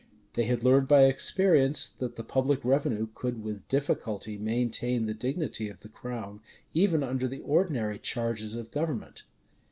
They had learned by experience, that the public revenue could with difficulty maintain the dignity of the crown, even under the ordinary charges of government.